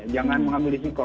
jangan mengambil risiko